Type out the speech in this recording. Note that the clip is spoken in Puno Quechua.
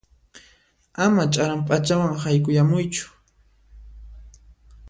Ama ch'aran p'achawan haykuyamuychu.